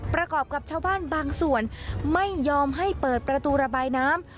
ประกอบกับชาวบ้านบางส่วนไม่ยอมให้เปิดประตูระบายน้ำ